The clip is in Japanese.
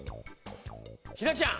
ひなちゃん。